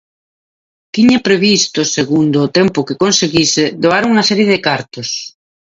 Tiña previsto, segundo o tempo que conseguise, doar unha serie de cartos.